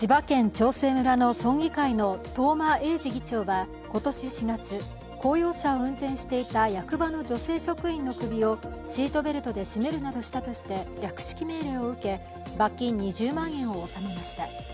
長生村の村議会の東間永次議長は今年４月、公用車を運転していた役場の女性職員の首を、シートベルトで絞めるなどしたとして略式命令を受け、罰金２０万円を納めました。